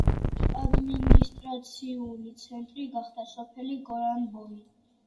ადმინისტრაციული ცენტრი გახდა სოფელი გორანბოი.